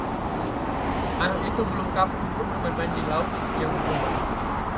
anak itu belum kapok juga bermain-main di laut yang bergelombang itu